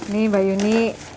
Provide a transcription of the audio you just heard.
nih mbak yuni